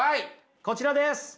こちらです。